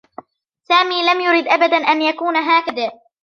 سامي لم يرد أبدا أن يكون هكذا